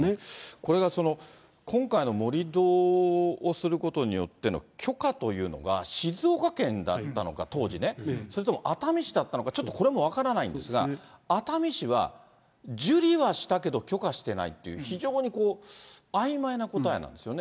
これが今回の盛り土をすることによっての許可というのが、静岡県だったのか、当時ね、それとも熱海市だったのか、ちょっとこれも分からないんですが、熱海市は、受理はしたけど許可してないという、非常にあいまいな答えなんですよね。